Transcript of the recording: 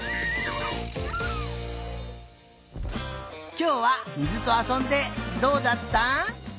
きょうはみずとあそんでどうだった？